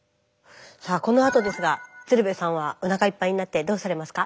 さあこのあとですが鶴瓶さんはおなかいっぱいになってどうされますか？